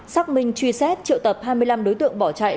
xác minh truy xét triệu tập hai mươi năm đối tượng bỏ chạy